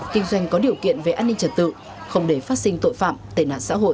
kinh doanh có điều kiện về an ninh trật tự không để phát sinh tội phạm tệ nạn xã hội